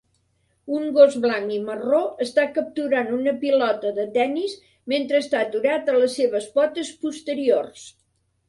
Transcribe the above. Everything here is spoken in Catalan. Un gos blanc i marró està capturant una pilota de tennis mentre està aturat a les seves potes posteriors.